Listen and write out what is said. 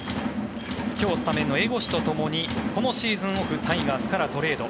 今日スタメンの江越とともにこのシーズンオフタイガースからトレード。